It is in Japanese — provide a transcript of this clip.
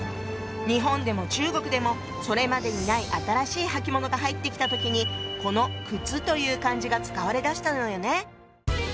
日本でも中国でもそれまでにない新しい履物が入ってきた時にこの「靴」という漢字が使われだしたのよね。